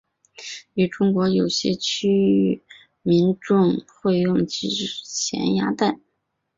于中国有些区域民众会用其制作咸鸭蛋。